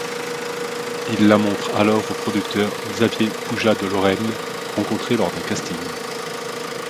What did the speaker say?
Il la montre alors au producteur Xavier Pujade-Lauraine, rencontré lors d'un casting.